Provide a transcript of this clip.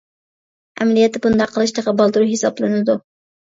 ئەمەلىيەتتە، بۇنداق قىلىش تېخى بالدۇر ھېسابلىنىدۇ.